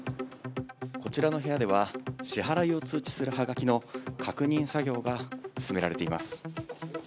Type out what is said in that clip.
こちらの部屋では、支払いを通知するはがきの確認作業が進められています。